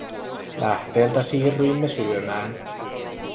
Lähteeltä siirryimme syömään.